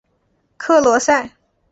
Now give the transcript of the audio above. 克罗塞。